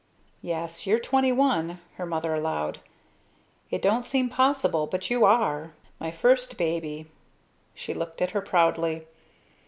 "Yes, you're twenty one," her mother allowed. "It don't seem possible, but you are. My first baby!" she looked at her proudly.